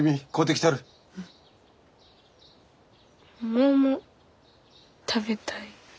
桃食べたい。